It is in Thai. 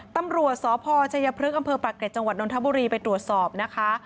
ตำรวจสพชัยพฤกษ์อำเภอประเกษจนทบุรีไปตรวจสอบนะคะ